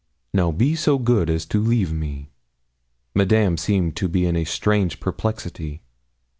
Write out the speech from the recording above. Now be so good as to leave me.' Madame seemed to be in a strange perplexity.